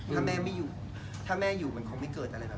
ถ้าแม่ไม่อยู่ถ้าแม่อยู่มันคงไม่เกิดอะไรแบบ